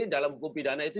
dalam hukum pidana itu